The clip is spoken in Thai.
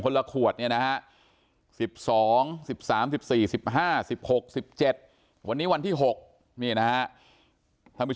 ละขวดเนี่ยนะฮะ๑๒๑๓๑๔๑๕๑๖๑๗วันนี้วันที่๖นี่นะฮะท่านผู้